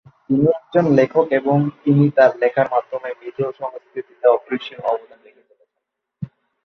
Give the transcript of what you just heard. তিনি একজন লেখক এবং তিনি তাঁর লেখার মাধ্যমে মিজো সংস্কৃতিতে অপরিসীম অবদান রেখে চলেছেন।